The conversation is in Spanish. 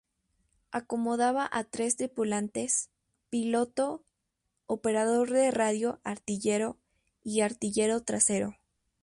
Acomodaba a tres tripulantes, piloto, operador de radio-artillero y artillero trasero.